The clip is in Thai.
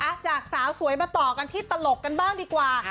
จากสาวสวยมาต่อกันที่ตลกกันบ้างดีกว่า